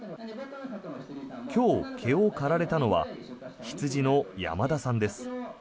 今日、毛を刈られたのは羊の山田さんです。